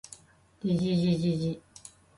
じじじじじ